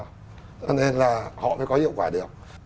cho nên là họ mới có hiệu quả được